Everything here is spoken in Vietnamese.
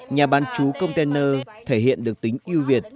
nhà bán chú container thể hiện được tính yêu việt